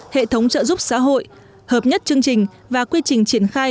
hệ thống trợ giúp xã hội hợp nhất chương trình và quy trình triển khai